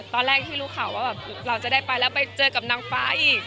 ตอนแรกที่รู้ข่าวว่าแบบเราจะได้ไปแล้วไปเจอกับนางฟ้าอีก